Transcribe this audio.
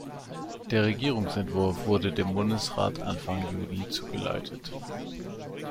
Der Regierungsentwurf wurde dem Bundesrat Anfang Juli zugeleitet.